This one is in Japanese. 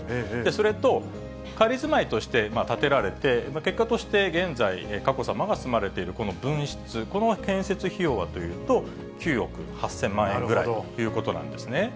それと、仮住まいとして建てられて、結果として現在、佳子さまが住まわれているこの分室、建設費用はというと、９億８０００万円ぐらいということなんですね。